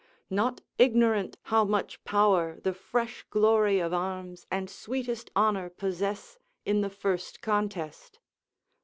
["Not ignorant how much power the fresh glory of arms and sweetest honour possess in the first contest."